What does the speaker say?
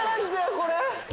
これ。